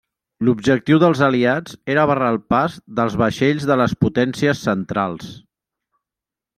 L'objectiu dels aliats era barrar el pas dels vaixells de les Potències Centrals.